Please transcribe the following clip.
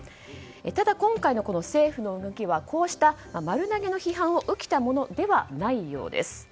ただ、今回の政府の動きはこうした丸投げの批判を受けたものではないようです。